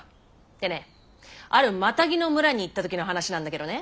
でねあるマタギの村に行った時の話なんだけどね。